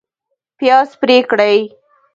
پیاز پرې کړئ